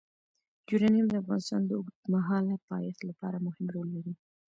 یورانیم د افغانستان د اوږدمهاله پایښت لپاره مهم رول لري.